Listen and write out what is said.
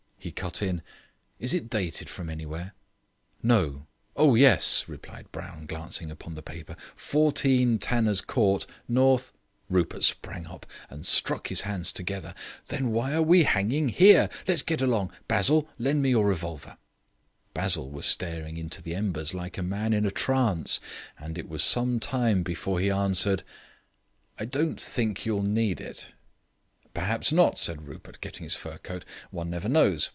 He cut in: "Is it dated from anywhere?" "No oh, yes!" replied Brown, glancing upon the paper; "14 Tanner's Court, North " Rupert sprang up and struck his hands together. "Then why are we hanging here? Let's get along. Basil, lend me your revolver." Basil was staring into the embers like a man in a trance; and it was some time before he answered: "I don't think you'll need it." "Perhaps not," said Rupert, getting into his fur coat. "One never knows.